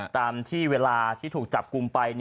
ตามที่เวลาที่ถูกจับกลุ่มไป